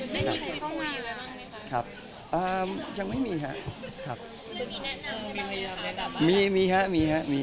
มีครับมีครับมีครับมีครับ